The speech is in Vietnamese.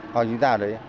họ chúng ta ở đấy